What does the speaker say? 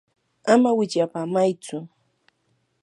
ama wichyapamaytsu.